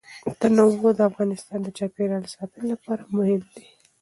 تنوع د افغانستان د چاپیریال ساتنې لپاره مهم دي.